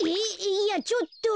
いやちょっと。